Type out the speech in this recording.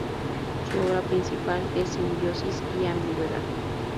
Su obra principal es "Simbiosis y ambigüedad".